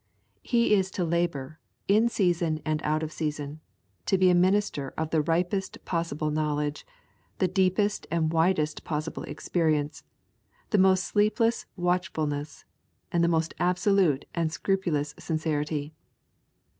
He is to labour, in season and out of season, to be a minister of the ripest possible knowledge, the deepest and widest possible experience, the most sleepless watchfulness, and the most absolute and scrupulous sincerity.